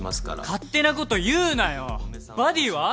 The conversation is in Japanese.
勝手なこと言うなよバディーは？